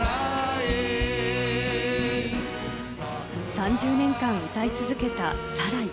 ３０年間歌い続けた『サライ』。